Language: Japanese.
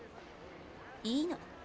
いいの。